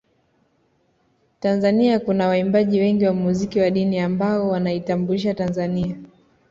Tanzania kuna waimbaji wengi wa mziki wa dini ambao wanaitambulisha Tanzania